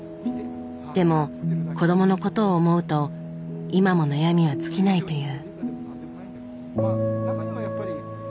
でも子どものことを思うと今も悩みは尽きないという。